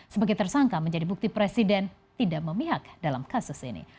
sebagai tersangka menjadi bukti presiden tidak memihak dalam kasus ini